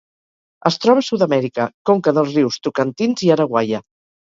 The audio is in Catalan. Es troba a Sud-amèrica: conca dels rius Tocantins i Araguaia.